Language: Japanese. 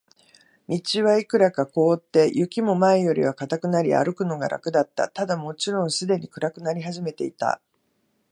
道はいくらか凍って、雪も前よりは固くなり、歩くのが楽だった。ただ、もちろんすでに暗くなり始めていた。